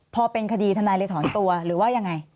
พอเป็นคดีทนายเลยถอนตัวหรือว่ายังไง